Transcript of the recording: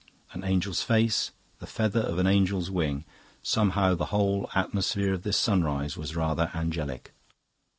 An angel's face, the feather of an angel's wing...Somehow the whole atmosphere of this sunrise was rather angelic.